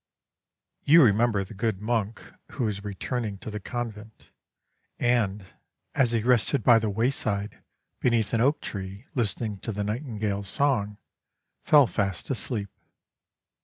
You remember the good monk who was returning to the convent and, as he rested by the wayside beneath an oak tree, listening to the nightingale' s song, fell fast asleep.